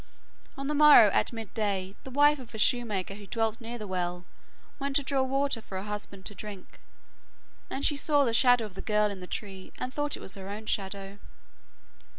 On the morrow, at midday, the wife of a shoemaker who dwelt near the well went to draw water for her husband to drink, and she saw the shadow of the girl in the tree, and thought it was her own shadow.